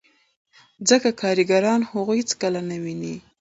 ځکه کارګران هغوی هېڅکله نه ویني